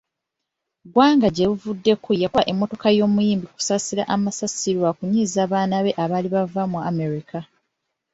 Gwanga gyebuvuddeko yakuba emmotoka y'omuyimbi Kusasira amasasi lwakunyiiza baana be abaali baakava mu America.